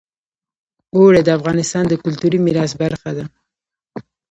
اوړي د افغانستان د کلتوري میراث برخه ده.